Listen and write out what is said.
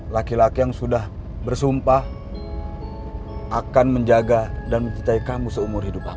laki laki yang sudah bersumpah akan menjaga dan mencintai kamu seumur hidup